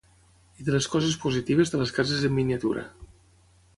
i de les coses positives de les cases en miniatura